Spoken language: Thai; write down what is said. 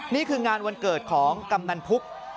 นี่คืองานวันเกิดของกำนันพุก